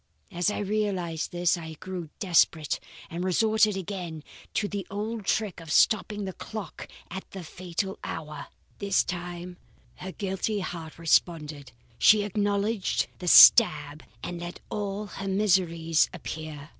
As I realized this, I grew desperate and resorted again to the old trick of stopping the clock at the fatal hour. This time her guilty heart responded. She acknowledged the stab and let all her miseries appear.